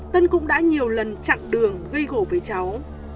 tân cũng đã nhiều lần chặn đường gây gổ với cháu